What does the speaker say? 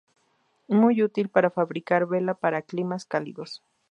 Muy útil para fabricar vela para climas cálidos.